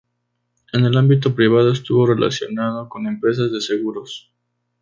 En el ámbito privado estuvo relacionado con empresas de seguros.